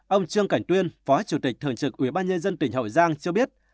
ông trương cảnh tuyên phó chủ tịch thường trực ubnd tỉnh hậu giang cho biết